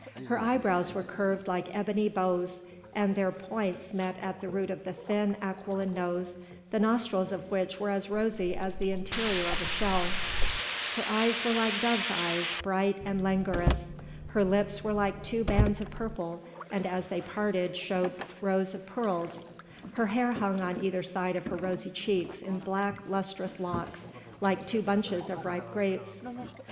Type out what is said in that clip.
Her eyebrows were curved like ebony bows, and their points met at the root of the thin, aquiline nose, the nostrils of which were as rosy as the interior of a shell; her eyes were like doves' eyes, bright and languorous; her lips were like two bands of purple, and as they parted showed rows of pearls; her hair hung on either side of her rosy cheeks in black, lustrous locks like two bunches of ripe grapes.